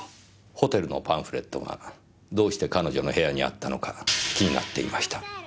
ホテルのパンフレットがどうして彼女の部屋にあったのか気になっていました。